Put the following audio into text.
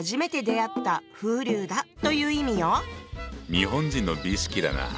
日本人の美意識だなぁ。